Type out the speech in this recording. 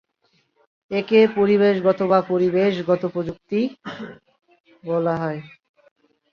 একে পরিবেশগত বা পরিবেশগত প্রযুক্তিও বলা হয়।